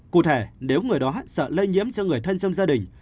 cụ thể nếu người đó sợ lây nhiễm cho người thân trong gia đình